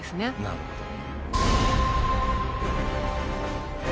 なるほど。